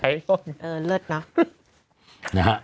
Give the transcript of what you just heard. เออเลิศเนาะ